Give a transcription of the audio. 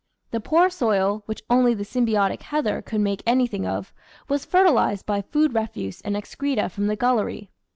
The poor soil, which only the symbiotic heather could make anything of, was fertilised by food refuse and excreta from the gullery.